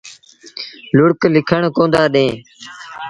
لُڙڪ ليٚکڻ ڪوندآ ڏيݩ۔